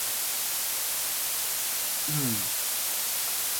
Tiene bastante potencia de disparo, y buen juego.